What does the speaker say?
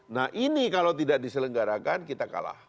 nah ini kalau tidak diselenggarakan kita kalah